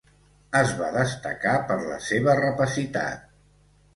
Es va destacar per la seva rapacitat.